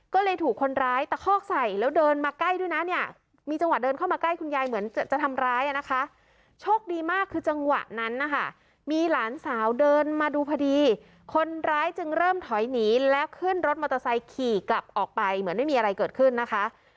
โชคดีมากคือจังหวะนั้นนะคะมีหลานสาวเดินมาดูพอดีคนร้ายจึงเริ่มถอยหนีแล้วขึ้นรถมอเตอร์ไซค์ขี่กลับออกไปเหมือนไม่มีอะไรเกิดขึ้นนะคะ